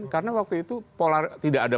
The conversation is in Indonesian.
karena waktu itu tidak ada